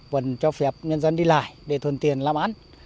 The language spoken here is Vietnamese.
vẫn cho phép nhân dân đi lại để thuần tiền làm ăn